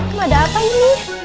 ini ada apa ini